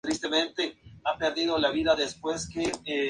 La nueva arma sería conocida como mina lapa.